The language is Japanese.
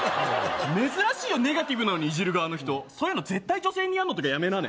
珍しいよネガティブなのにいじる側の人そういうの絶対女性にやんのとかやめなね